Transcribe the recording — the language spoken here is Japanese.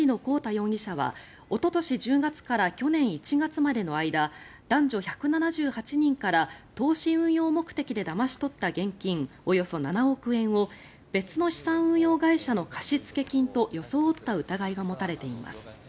容疑者はおととし１０月から去年１月までの間男女１７８人から投資運用目的でだまし取った現金およそ７億円を別の資産運用会社の貸付金と装った疑いが持たれています。